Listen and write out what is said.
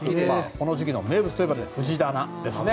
この時期の名物といえば藤棚ですね。